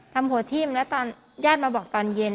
ทำหัวทิ้มแล้วตอนญาติมาบอกตอนเย็น